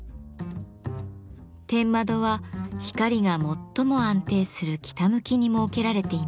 天窓は光が最も安定する北向きに設けられています。